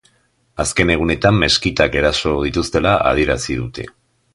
Azken egunetan meskitak eraso dituztela adierazi dute.